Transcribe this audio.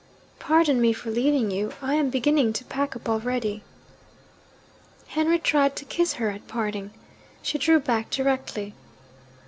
'Pardon me for leaving you I am beginning to pack up already.' Henry tried to kiss her at parting. She drew back directly.